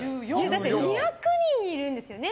だって２００人いるんですよね。